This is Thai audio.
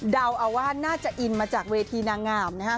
เดาเอาว่าน่าจะอินมาจากเวทีนางงามนะฮะ